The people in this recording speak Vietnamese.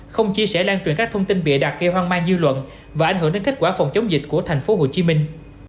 không chia sẻ lan truyền các thông tin bịa đặt gây hoang mang dư luận và ảnh hưởng đến kết quả phòng chống dịch của thành phố hồ chí minh